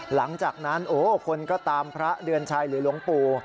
หลังจากนั้นโอ้คนก็ตามพระเดือนชัยหรือหลวงปู่